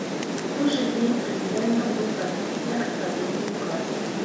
У той жа дзень прэзідэнтам быў падпісаны адпаведны ўказ.